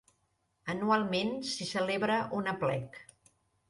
Anualment s'hi celebra un aplec.